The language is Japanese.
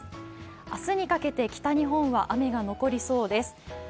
明日にかけて北日本は雨が残りそうです。